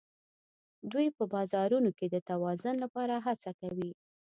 دوی په بازارونو کې د توازن لپاره هڅه کوي